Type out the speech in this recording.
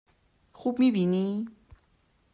خوب می بینی؟